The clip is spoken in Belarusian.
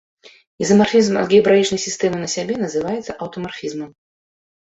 Ізамарфізм алгебраічнай сістэмы на сябе называецца аўтамарфізмам.